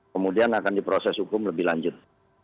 kemudian akan diproses hukum lebih lanjut